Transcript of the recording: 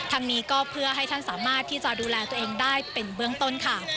ทางนี้ก็เพื่อให้ท่านสามารถที่จะดูแลตัวเองได้เป็นเบื้องต้นค่ะ